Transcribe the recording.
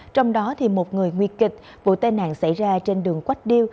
trong đó một người nguy kịch vụ tai nạn xảy ra trên đường quách điêu